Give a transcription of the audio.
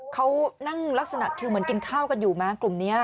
เขานั่งลักษณะคือเหมือนกินข้าวกันอยู่ไหมกลุ่มนี้